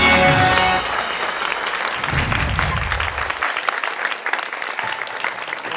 ที่บอกใจยังไง